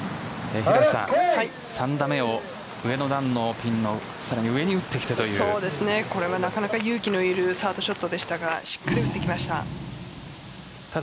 平瀬さん、３打目を上の段のピンの上にこれはなかなか勇気のいるサードショットでしたがしっかりと打ってきました。